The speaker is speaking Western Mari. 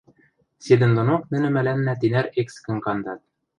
Седӹндонок нӹнӹ мӓлӓннӓ тинӓр эксӹкӹм кандат.